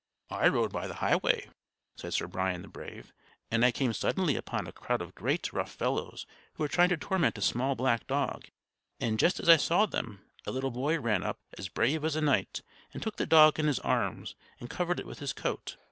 "I rode by the highway," said Sir Brian the Brave, "and I came suddenly upon a crowd of great, rough fellows who were trying to torment a small black dog; and just as I saw them, a little boy ran up, as brave as a knight, and took the dog in his arms, and covered it with his coat.